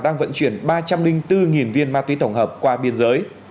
đang vận chuyển ba trăm linh bốn viên ma túy tổng hợp qua biên giới